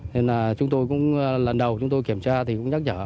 nên là chúng tôi cũng lần đầu chúng tôi kiểm tra thì cũng nhắc nhở